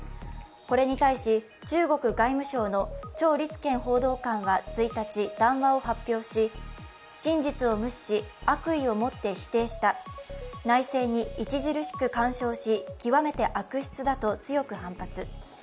これに対し、中国外務省の趙立堅報道官は１日談話を発表し、真実を無視し悪意を持って否定した、内政に著しく干渉し極めて悪質だと強く反発。